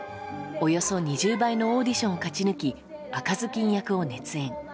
およそ２０倍のオーディションを勝ち抜き赤ずきん役を熱演。